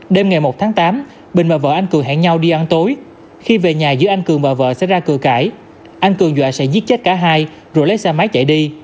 đêm ngày một tháng tám bình và vợ anh cường hẹn nhau đi ăn tối khi về nhà giữa anh cường và vợ sẽ ra cửa cãi anh cường dọa sẽ giết chết cả hai rồi lấy xe máy chạy đi